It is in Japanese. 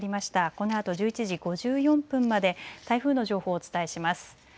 このあと１１時５４分まで台風の情報をお伝えします。